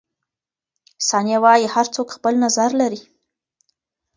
ثانیه وايي، هر څوک خپل نظر لري.